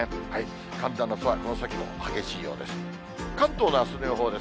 寒暖の差は、この先も激しいようです。